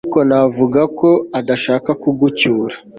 ariko navuga ko adashaka kugucyura